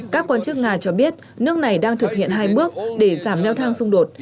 các quan chức nga cho biết nước này đang thực hiện hai bước để giảm leo thang xung đột